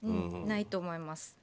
ないと思います。